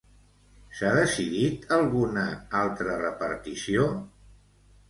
S'ha decidit alguna altra repartició?